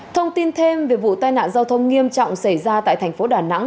thông tin thêm về vụ tai nạn giao thông nghiêm trọng xảy ra tại thành phố đà nẵng